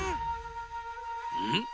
うん？